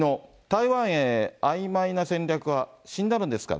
台湾へのあいまいな戦略は死んだのですか？